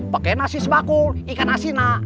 pakai nasi sebakul ikan asinak